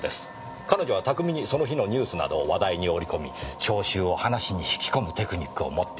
彼女は巧みにその日のニュースなどを話題に織り込み聴衆を話に引き込むテクニックを持っています。